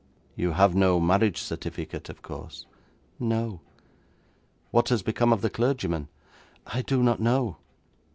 'You have no marriage certificate, of course?' 'No.' 'What has become of the clergyman?' 'I do not know.'